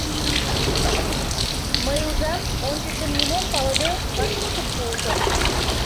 — Мый ужам, — ончычын нимом палыде, вашмутым пуышым.